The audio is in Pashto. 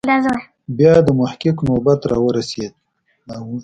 بیا د محقق نوبت راورسېد.